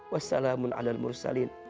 wassalamun ala mursalin